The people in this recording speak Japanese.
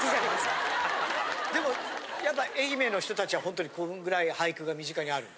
でもやっぱり愛媛の人たちはこのぐらい俳句が身近にあるの？